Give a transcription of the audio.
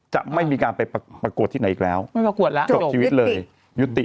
จะไม่มีการไปประกวดที่ไหนอีกแล้วไม่ประกวดแล้วจบชีวิตเลยยุติ